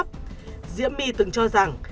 pháp diễm my từng cho rằng